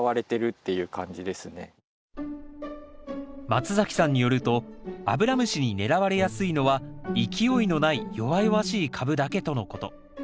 松崎さんによるとアブラムシに狙われやすいのは勢いのない弱々しい株だけとのこと。